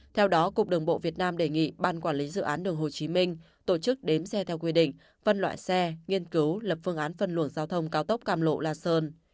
theo đó cục đường bộ việt nam đề nghị ban quản lý dự án đường hồ chí minh tổ chức đếm xe theo quy định văn loại xe nghiên cứu lập phương án phân luồng giao thông cao tốc cam lộ la sơn